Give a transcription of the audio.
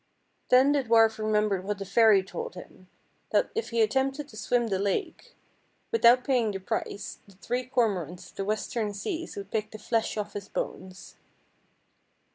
12 Then the dwarf remembered what the fairy told him, that if lie attempted to swim the lake, 166 FAIRY TALES without paying the price, the three Cormorants of the Western Seas would pick the flesh off his bones.